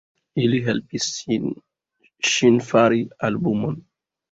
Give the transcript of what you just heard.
Ili helpis ŝin fari albumon.